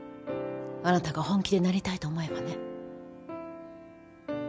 あなたが本気でなりたいと思えばね。